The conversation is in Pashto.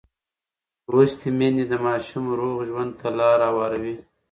لوستې میندې د ماشوم روغ ژوند ته لار هواروي.